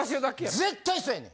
絶対そやねん。